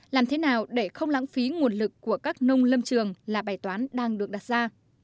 làm thế nào để không lãng phí nguồn lực của các nông lâm trường là bài toán đang được đặt ra